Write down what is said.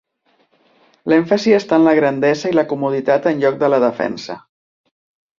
L'èmfasi està en la grandesa i la comoditat en lloc de la defensa.